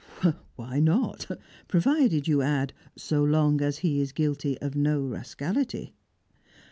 "Why not? Provided you add so long as he is guilty of no rascality."